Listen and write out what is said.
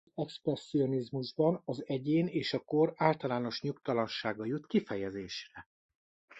Az expresszionizmusban az egyén és a kor általános nyugtalansága jut kifejezésre.